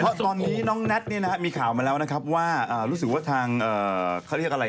เพราะตอนนี้น้องแน็ตมีข่าวมาแล้วนะครับว่ารู้สึกว่าทางเขาเรียกอะไร